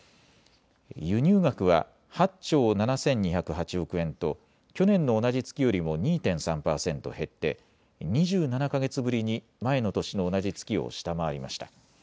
輸入額は８兆７２０８億円と去年の同じ月よりも２．３％減って２７か月ぶりに前の年の同じ月を下回りました。